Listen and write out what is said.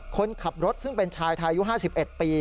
คนขับรถซึ่งเป็นชายไทยอายุ๕๑ปี